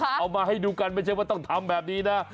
เอามาให้ดูกันไม่ใช่ว่าต้องทำแบบนี้นะ